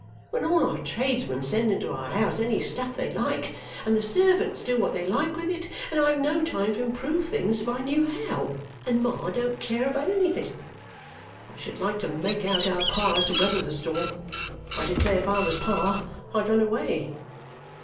When all our tradesmen send into our house any stuff they like, and the servants do what they like with it, and I have no time to improve things if I knew how, and Ma don't care about anything, I should like to make out how Pa is to weather the storm. I declare if I was Pa, I'd run away."